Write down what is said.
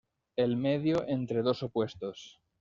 El medio entre dos opuestos.